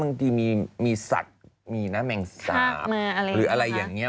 บางทีมีสัตว์มีนะแมงสาบหรืออะไรอย่างนี้